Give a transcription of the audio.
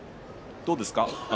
どうですか？